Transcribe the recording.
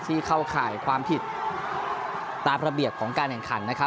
เข้าข่ายความผิดตามระเบียบของการแข่งขัน